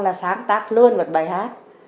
là sáng tạo luôn một bài hát